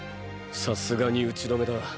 さすがに打ち止めだ。